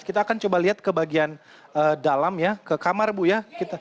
kita akan coba lihat ke bagian dalam ya ke kamar bu ya